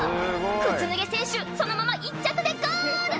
靴脱げ選手そのまま１着でゴール！